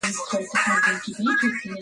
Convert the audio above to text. Mwangeji ni opitalo munene mu kolwezi